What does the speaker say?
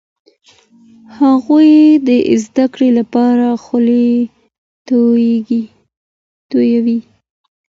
هغوی د زده کړو لپاره خولې تویوي.